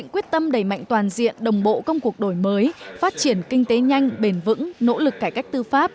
quyết tâm đẩy mạnh toàn diện đồng bộ công cuộc đổi mới phát triển kinh tế nhanh bền vững nỗ lực cải cách tư pháp